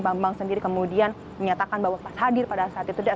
bambang sendiri kemudian menyatakan bahwa hadir pada saat itu